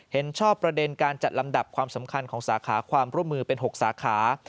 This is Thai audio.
เห็นชอบประเด็นการจัดลำดับความสำคัญของสาขาความร่วมมือเป็น๖สาขา